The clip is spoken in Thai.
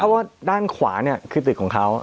เพราะว่าด้านขวาเนี่ยคือตึกของเขา